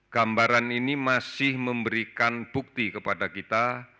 gambaran ini masih memberikan bukti kepada kita